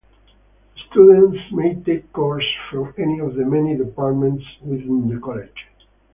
Students may take courses from any of the many departments within the College.